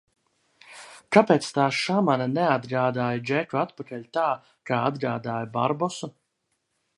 Kāpēc tā šamane neatgādāja Džeku atpakaļ tā, kā atgādāja Barbosu?